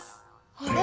あれ？